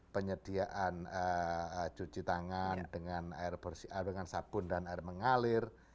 penyediaan cuci tangan dengan air bersih air dengan sabun dan air mengalir